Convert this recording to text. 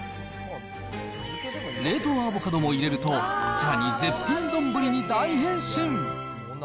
冷凍アボカドも入れると、さらに絶品丼に大変身。